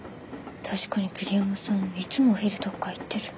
確かに桐山さんいつもお昼どっか行ってる。